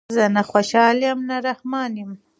زه نه خوشحال یم زه نه رحمان یم